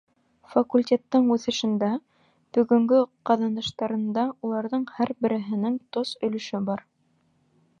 Факультеттың үҫешендә, бөгөнгө ҡаҙаныштарында уларҙың һәр береһенең тос өлөшө бар.